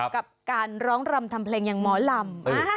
กับการร้องรำทำเพลงอย่างหมอลำ